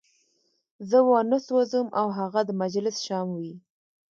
زه وانه سوځم او هغه د مجلس شمع وي.